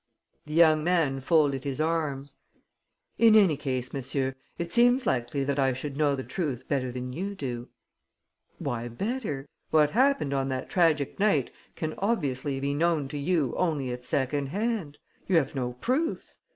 The young man folded his arms: "In any case, monsieur, it seems likely that I should know the truth better than you do." "Why better? What happened on that tragic night can obviously be known to you only at secondhand. You have no proofs.